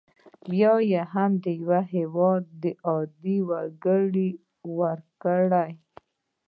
یا یې هم د یو هیواد عادي وګړي ورکړي.